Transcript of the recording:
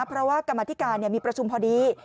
เพราะว่ากรรมธิการมีประชุมพอดี